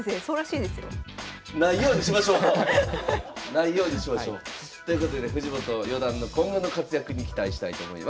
ないようにしましょう。ということで藤本四段の今後の活躍に期待したいと思います。